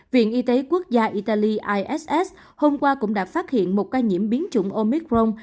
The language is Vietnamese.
viện y tế quốc gia italy iss hôm qua cũng đã phát hiện một ca nhiễm biến chủng omicron